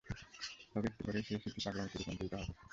তবে একটু পরেই সেই স্মৃতি পাগলামোতে রূপান্তরিত হবে।